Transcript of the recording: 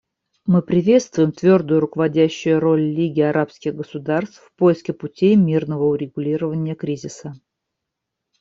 Мы приветствуем твердую руководящую роль Лиги арабских государств в поиске путей мирного урегулирования кризиса.